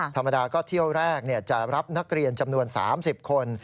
ธรรมดาก็เที่ยวแรกจะรับนักเรียนจำนวน๓๐คน